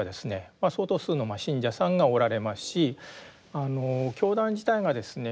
相当数の信者さんがおられますし教団自体がですね